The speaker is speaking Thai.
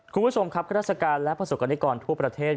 คุณผู้ชมครับข้าราชการและประสบกรณิกรทั่วประเทศ